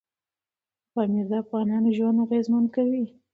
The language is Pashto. پامیر د افغانانو ژوند اغېزمن کوي.